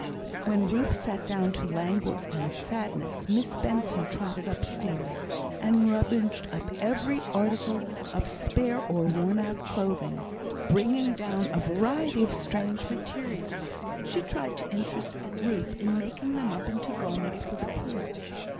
When Ruth sank down to languor and sadness, Miss Benson trotted upstairs, and rummaged up every article of spare or worn out clothing, and bringing down a variety of strange materials, she tried to interest Ruth in making them up into garments for the poor.